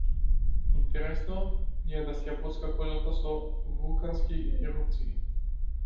Интересно и е да си ја боцка кожата со вулкански ерупции.